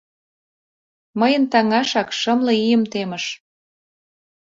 «Мыйын таҥашак — шымле ийым темыш».